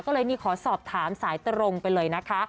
ก็เลยนี่ขอสอบถามสายตรงไปเลยนะคะ